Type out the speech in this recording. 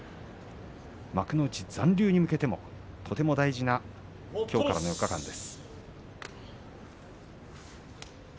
幕内残留に向けてとても大事なきょうからの４日間です。